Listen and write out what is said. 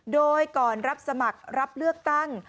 โดยก่อนรับสมัครรับเลือกตั้ง